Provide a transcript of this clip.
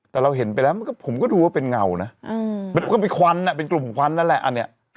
แต่เราเห็นไปแล้วผมก็ดูว่าเป็นเงานะมันก็เป็นควันเป็นกลุ่มควันนั่นแหละอันนี้